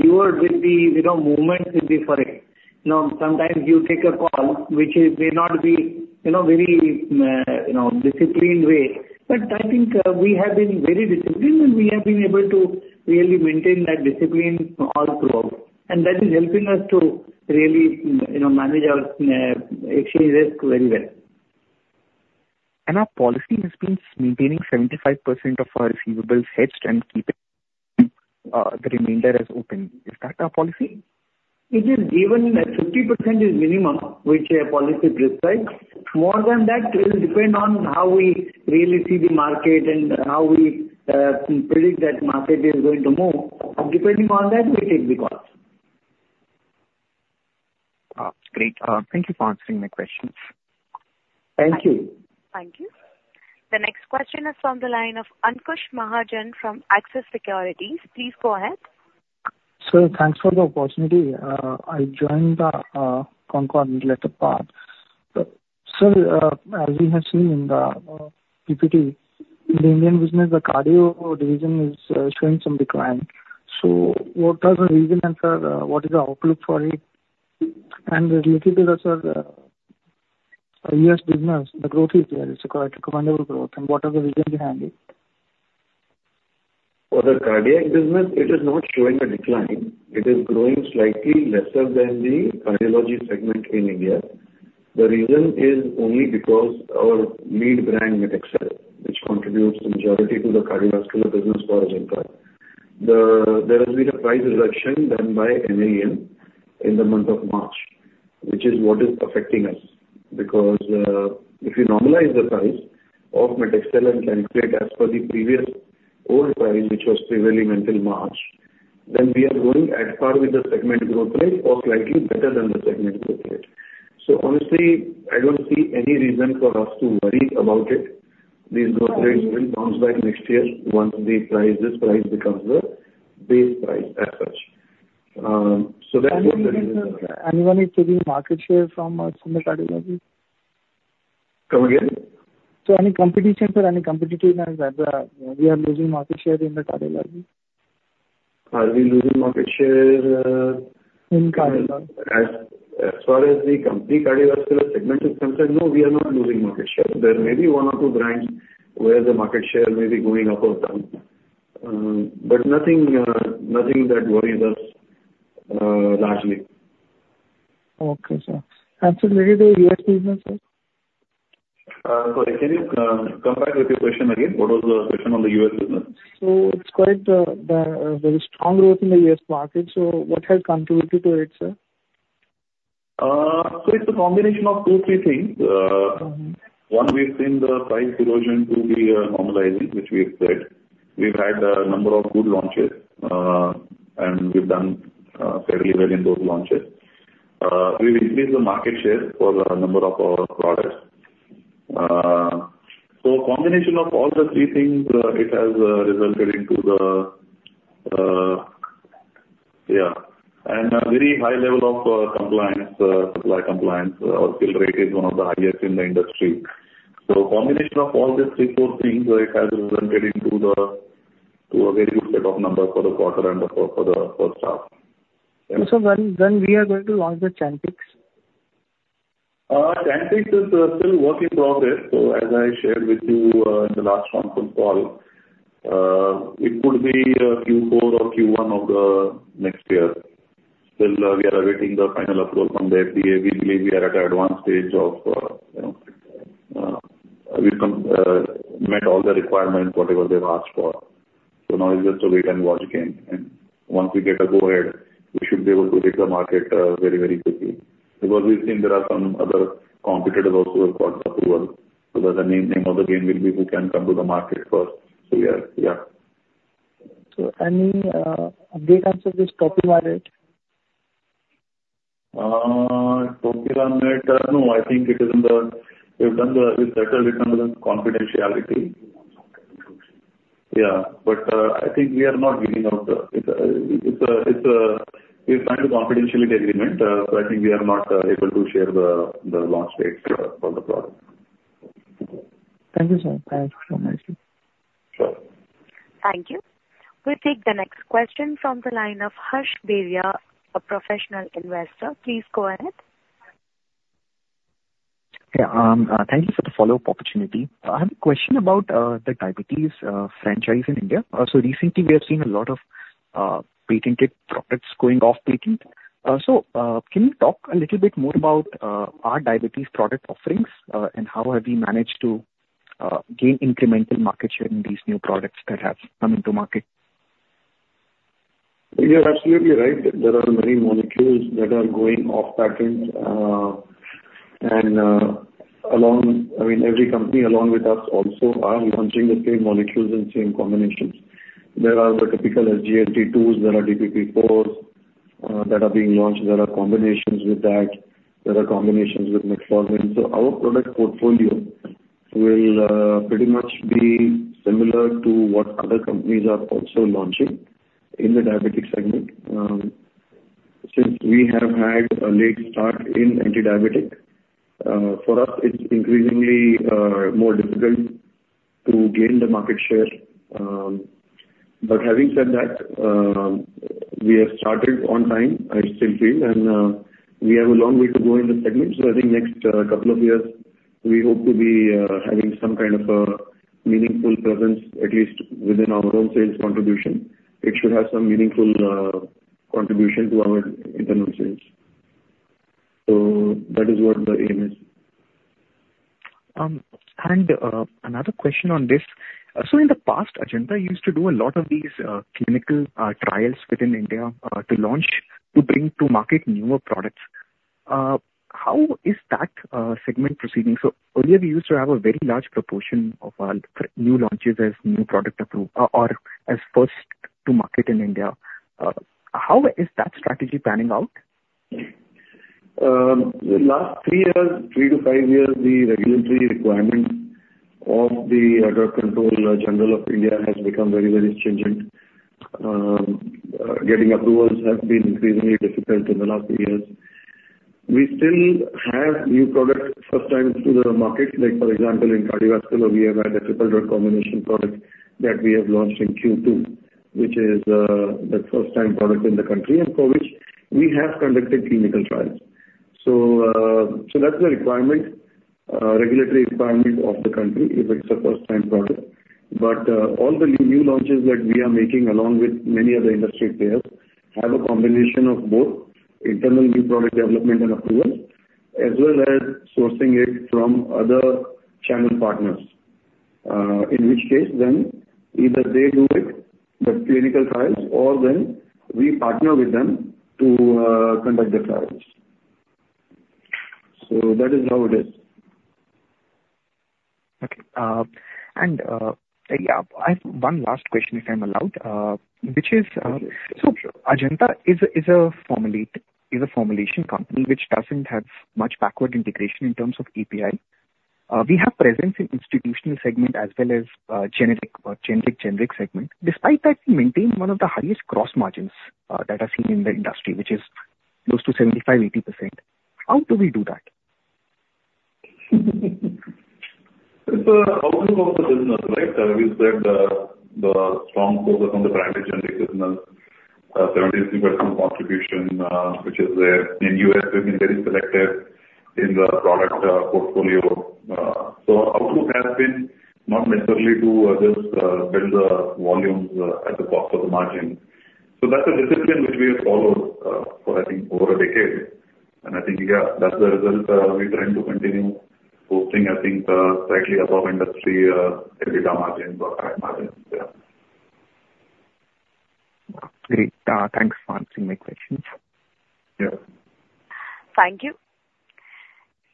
lured with the, you know, movements in the FOREX. You know, sometimes you take a call which is, may not be, you know, very, you know, disciplined way. But I think, we have been very disciplined, and we have been able to really maintain that discipline all through. And that is helping us to really, you know, manage our exchange risk very well. Our policy has been maintaining 75% of our receivables hedged and keeping the remainder as open. Is that our policy? It is given that 50% is minimum, which our policy prescribes. More than that, it will depend on how we really see the market and how we predict that market is going to move. Depending on that, we take the call. Great. Thank you for answering my questions. Thank you. Thank you. The next question is from the line of Ankush Mahajan from Axis Securities. Please go ahead. Sir, thanks for the opportunity. I joined the call a little later part. Sir, as we have seen in the PPT, in the Indian business, the cardio division is showing some decline. So what are the reasons, and, sir, what is the outlook for it? And looking to also the U.S. business, the growth is there. It's a quite commendable growth. And what are the reasons behind it? For the cardiac business, it is not showing a decline. It is growing slightly lesser than the cardiology segment in India. The reason is only because our lead brand, Metaxalone, which contributes the majority to the cardiovascular business for Ajanta. There has been a price reduction done by MAM in the month of March, which is what is affecting us. Because if you normalize the price of Metaxalone and create as per the previous old price, which was prevailing until March, then we are growing at par with the segment growth rate or slightly better than the segment growth rate. So honestly, I don't see any reason for us to worry about it. These growth rates will bounce back next year once the price, this price becomes the base price as such. So that's what the- And anyone is taking market share from, from the cardiology? Come again? So, any competition or any competitive advantage, we are losing market share in the cardiology. Are we losing market share? In cardiology. As far as the complete cardiovascular segment is concerned, no, we are not losing market share. There may be one or two brands where the market share may be going up or down, but nothing that worries us, largely. Okay, sir. Sir, maybe the U.S. business, sir? So, can you come back with your question again? What was the question on the U.S. business? So it's quite the very strong growth in the U.S. market. What has contributed to it, sir? So it's a combination of two, three things. One, we've seen the price erosion to be normalizing, which we expected. We've had a number of good launches, and we've done fairly well in those launches. We've increased the market share for a number of our products. So combination of all the three things, it has resulted into the. Yeah, and a very high level of compliance, supply compliance. Our fill rate is one of the highest in the industry. So combination of all these three, four things, it has resulted into a very good set of numbers for the quarter and for the first half. So when we are going to launch the Chantix? Chantix is still work in progress. So as I shared with you in the last conference call, it could be Q4 or Q1 of the next year. Still, we are awaiting the final approval from the FDA. We believe we are at an advanced stage of, you know, we've met all the requirements, whatever they've asked for. So now it's just a wait-and-watch game, and once we get a go-ahead, we should be able to hit the market very, very quickly. Because we've seen there are some other competitors also who have got approval, so the name of the game will be who can come to the market first. So yeah, yeah. Any update on this Topiramate? Topiramate, no, I think it is in the. We've settled it under confidentiality. Yeah, but I think we are not giving out the. It's a, we've signed a confidentiality agreement, so I think we are not able to share the launch date for the product. Thank you, sir. Thanks so much. Sure. Thank you. We'll take the next question from the line of Harsh Bhatia, a professional investor. Please go ahead. Yeah, thank you for the follow-up opportunity. I have a question about the diabetes franchise in India. Recently, we have seen a lot of patented products going off patent. Can you talk a little bit more about our diabetes product offerings, and how have you managed to gain incremental market share in these new products that have come into market? You're absolutely right. There are many molecules that are going off patent, and, I mean, every company along with us also are launching the same molecules and same combinations. There are the typical SGLT2s, there are DPP4s, that are being launched. There are combinations with that. There are combinations with metformin. So our product portfolio will, pretty much be similar to what other companies are also launching in the diabetic segment. Since we have had a late start in antidiabetic, for us, it's increasingly, more difficult to gain the market share. But having said that, we have started on time, I still feel, and, we have a long way to go in the segment. So I think next couple of years, we hope to be having some kind of a meaningful presence, at least within our own sales contribution. It should have some meaningful contribution to our internal sales. So that is what the aim is. Another question on this: In the past, Ajanta used to do a lot of these clinical trials within India to launch, to bring to market newer products. How is that segment proceeding? Earlier, we used to have a very large proportion of our new launches as new product approval or as first to market in India. How is that strategy panning out? The last three years, three to five years, the regulatory requirement of the Drug Controller General of India has become very, very stringent. Getting approvals has been increasingly difficult in the last few years. We still have new products first time to the market, like, for example, in cardiovascular, we have had a triple drug combination product that we have launched in Q2, which is the first-time product in the country, and for which we have conducted clinical trials. So, so that's the requirement, regulatory requirement of the country, if it's a first-time product. All the new launches that we are making, along with many other industry players, have a combination of both internal new product development and approval, as well as sourcing it from other channel partners, in which case then either they do it, the clinical trials, or then we partner with them to conduct the trials. That is how it is. Okay. And yeah, I have one last question, if I'm allowed, which is, Okay. So Ajanta is a formulation company, which doesn't have much backward integration in terms of API. We have presence in institutional segment as well as generic segment. Despite that, we maintain one of the highest gross margins that I've seen in the industry, which is close to 75%-80%. How do we do that? It's outlook of the business, right? We said the strong focus on the branded generic business, 73% contribution, which is there. In U.S., we've been very selective in the product portfolio. So our outlook has been not necessarily to just build the volumes at the cost of the margin. So that's a discipline which we have followed for, I think, over a decade, and I think, yeah, that's the result. We're trying to continue posting, I think, slightly above industry EBITDA margin or margin. Yeah. Great. Thanks for answering my questions. Yeah. Thank you.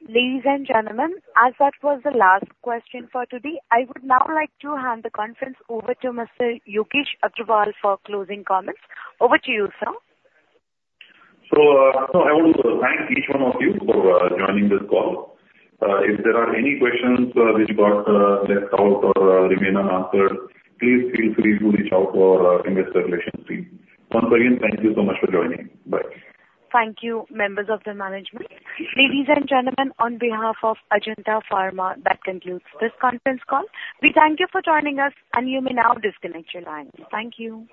Ladies and gentlemen, as that was the last question for today, I would now like to hand the conference over to Mr. Yogesh Agrawal for closing comments. Over to you, sir. So, I want to thank each one of you for joining this call. If there are any questions which got left out or remain unanswered, please feel free to reach out to our investor relations team. Once again, thank you so much for joining. Bye. Thank you, members of the management. Ladies and gentlemen, on behalf of Ajanta Pharma, that concludes this conference call. We thank you for joining us, and you may now disconnect your lines. Thank you.